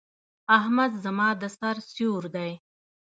احمد زما د سر سيور دی.